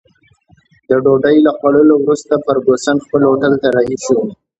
د ډوډۍ له خوړلو وروسته فرګوسن خپل هوټل ته رهي شوه.